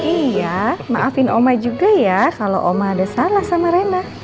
iya maafin oma juga ya kalau oma ada salah sama rena